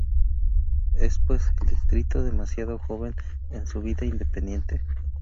Es pues el distrito demasiado joven en su vida independiente.